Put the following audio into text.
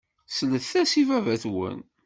Slet-as i baba-twen.